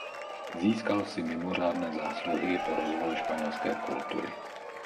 Získal si mimořádné zásluhy o rozvoj španělské kultury.